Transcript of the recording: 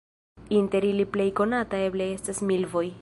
Inter ili plej konata eble estas milvoj.